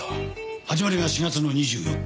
始まりが４月の２４日。